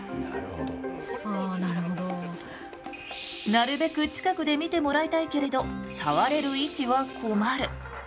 なるべく近くで見てもらいたいけれどさわれる位置は困る。